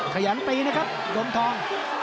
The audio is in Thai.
ขยันตีนะครับดมทอง